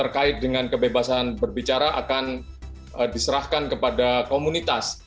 terkait dengan kebebasan berbicara akan diserahkan kepada komunitas